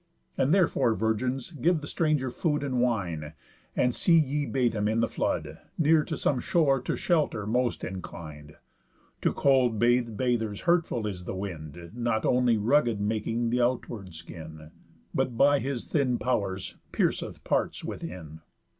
And therefore, virgins, give the stranger food, And wine; and see ye bathe him in the flood, Near to some shore to shelter most inclin'd. To cold bath bathers hurtful is the wind, Not only rugged making th' outward skin, But by his thin pow'rs pierceth parts within.